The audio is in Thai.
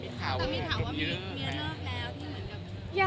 มีถามว่ามีเมียนอกแล้วยังเหมือนกัน